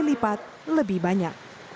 lipat lebih banyak